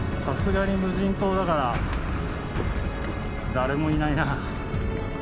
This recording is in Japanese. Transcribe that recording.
さすがに無人島だから誰もいないな。